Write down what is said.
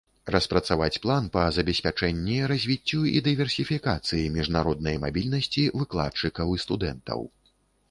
Распрацаваць план па забеспячэнні, развіццю і дыверсіфікацыі міжнароднай мабільнасці выкладчыкаў і студэнтаў.